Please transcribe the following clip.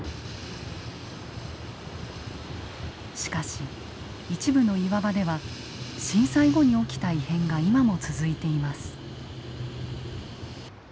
しかし一部の岩場では震災後に起きた異変が今も続いています。